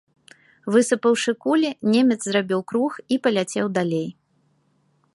Высыпаўшы кулі, немец зрабіў круг і паляцеў далей.